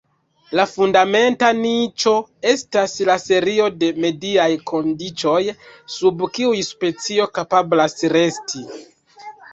La fundamenta niĉo estas la serio de mediaj kondiĉoj sub kiuj specio kapablas resti.